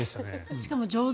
しかも上手。